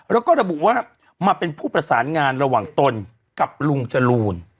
แล้วก็ระบุว่ามาเป็นผู้ประสานงานระหว่างตนกับลุงจรูน